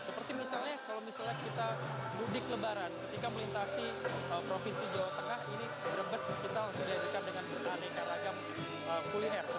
seperti misalnya kalau misalnya kita mudik lebaran ketika melintasi provinsi jawa tengah ini brebes kita langsung diajukan dengan beraneka ragam kuliner